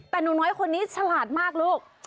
แต่หนูน้อยคนนี้ฉลาดมากลูก